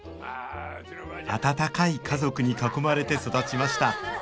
温かい家族に囲まれて育ちました